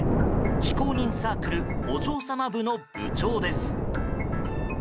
非公認サークルお嬢様部の部長です。